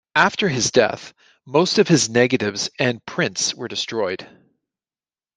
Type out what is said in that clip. After his death, most of his negatives and prints were destroyed.